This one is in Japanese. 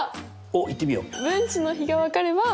おっいってみよう。